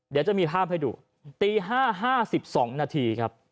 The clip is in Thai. เดี๋ยวจะมีภาพให้ดูตี๕๕๒นาทีครับ